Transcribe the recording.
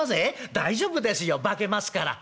「大丈夫ですよ化けますから」。